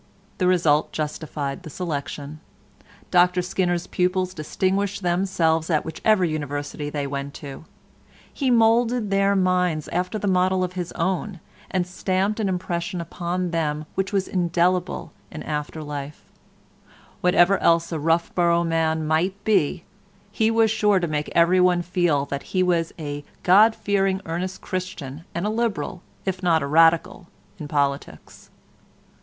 The result justified the selection. Dr Skinner's pupils distinguished themselves at whichever University they went to. He moulded their minds after the model of his own, and stamped an impression upon them which was indelible in after life; whatever else a Roughborough man might be, he was sure to make everyone feel that he was a God fearing earnest Christian and a Liberal, if not a Radical, in politics.